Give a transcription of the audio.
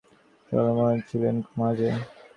জগমোহন কহিলেন, মা যে!